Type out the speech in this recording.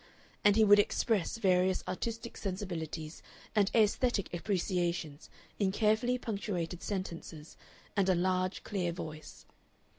And he would express various artistic sensibilities and aesthetic appreciations in carefully punctuated sentences and a large, clear voice.